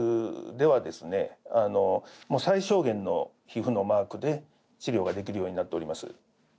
最小限の皮膚のマークで治療ができるようになっております。